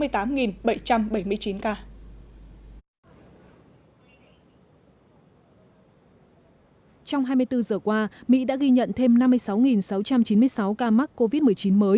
trong hai mươi bốn giờ qua mỹ đã ghi nhận thêm năm mươi sáu sáu trăm chín mươi sáu ca mắc covid một mươi chín mới